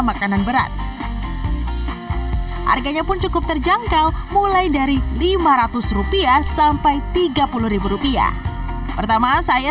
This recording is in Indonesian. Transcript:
makanan berat harganya pun cukup terjangkau mulai dari lima ratus rupiah sampai tiga puluh rupiah pertama saya